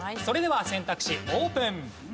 それでは選択肢オープン！